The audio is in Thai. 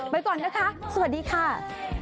ไปก่อนนะคะสวัสดีค่ะ